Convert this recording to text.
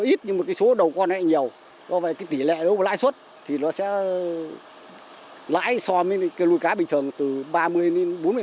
nó ít nhưng mà cái số đầu con này nhiều có về cái tỷ lệ lãi suất thì nó sẽ lãi so với cái lùi cá bình thường từ ba mươi đến bốn mươi